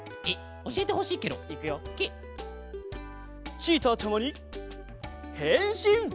チーターちゃまにへんしん！